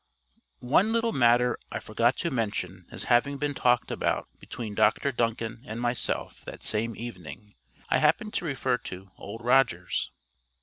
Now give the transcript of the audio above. One little matter I forgot to mention as having been talked about between Dr Duncan and myself that same evening. I happened to refer to Old Rogers.